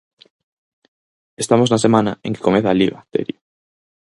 Estamos na semana en que comeza a Liga, Terio.